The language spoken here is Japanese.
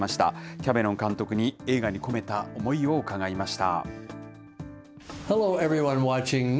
キャメロン監督に、映画に込めた思いを伺いました。